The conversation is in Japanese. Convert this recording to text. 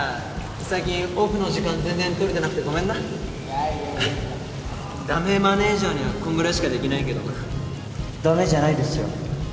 最近オフの時間全然取れてなくてごめんなダメマネージャーにはこんぐらいしかできないけどなダメじゃないですよ